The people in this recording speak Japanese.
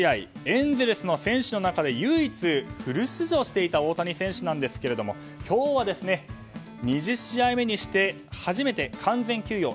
エンゼルスの選手の中で唯一、フル出場していた大谷選手なんですけれども今日は２０試合目にして初めて完全休養。